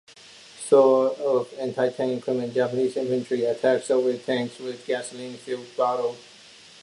Short of anti-tank equipment, Japanese infantry attacked Soviet tanks with gasoline-filled bottles.